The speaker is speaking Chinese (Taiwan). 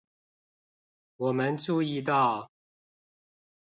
我們注意到